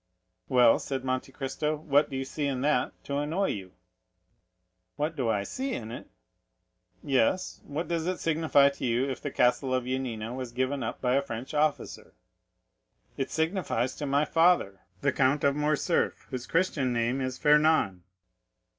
"Well," said Monte Cristo, "what do you see in that to annoy you?" "What do I see in it?" "Yes; what does it signify to you if the castle of Yanina was given up by a French officer?" "It signifies to my father, the Count of Morcerf, whose Christian name is Fernand!"